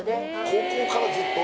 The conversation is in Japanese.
高校からずっと？